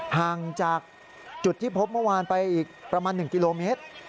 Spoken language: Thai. ห่างจากจุดที่พบเมื่อวานไปอีกประมาณ๑กิโลเมตร